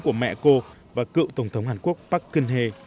của mẹ cô và cựu tổng thống hàn quốc park geun hye